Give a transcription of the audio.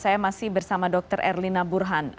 saya masih bersama dr erlina burhan